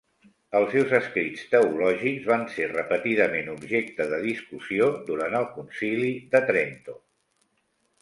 Els seus escrits teològics van ser repetidament objecte de discussió durant el Concili de Trento.